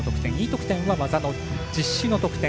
Ｅ得点は、技の実施の得点。